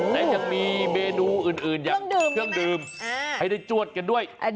และยังมีเมนูอื่นอย่างเครื่องดื่มให้ได้จวดกันด้วย